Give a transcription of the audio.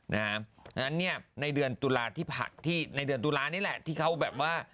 นะครับนั้นเนี่ยในเดือนตุลาที่ผักในเดือนตุลานี่แหละที่เขาแบบว่า